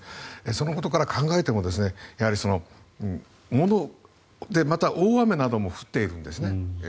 そのことから考えてもやはり大雨なども降っているんですね。